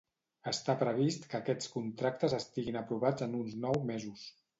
Està previst que aquests contractes estiguin aprovats en uns nou mesos.